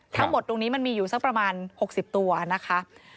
ทั้งหมดตรงนี้มีอยู่ประมาณ๖๐ตัวนะครับ